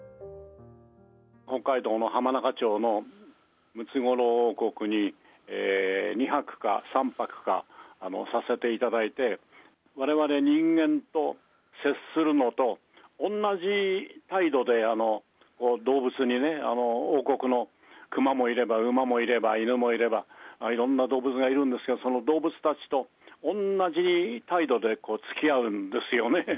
北海道の浜中町のムツゴロウ王国に、２泊か３泊か、させていただいて、われわれ人間と接するのと同じ態度で、動物にね、王国の熊もいれば馬もいれば、犬もいれば、いろんな動物がいるんですが、その動物たちと同じ態度でつきあうんですよね。